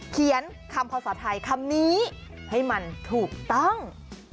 เขียนคำภาษาไทยคำนี้ให้มันถูกต้อง